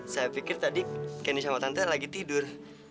saya pikir tante dan kendi sedang tidur